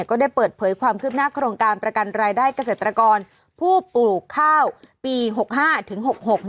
ก็ได้เปิดเผยความคืบหน้าโครงการประกันรายได้เกษตรกรผู้ปลูกข้าวปี๖๕ถึง๖๖